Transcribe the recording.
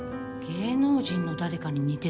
芸能人の誰かに似てる気がする。